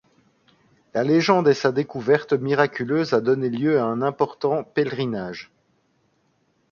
La légende et sa découverte miraculeuse a donné lieu à un important pèlerinage.